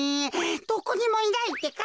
どこにもいないってか。